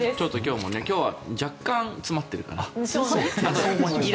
今日は若干、詰まってるかな。